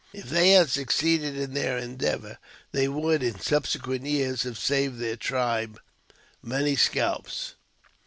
If they had suc ceeded in their endeavour, they would, in subsequent years, have saved their tribe many scalps.